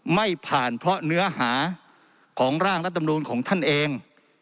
ไม่ผ่านเพราะเนื้อหาของร่างรัฐมนูลของท่านเอง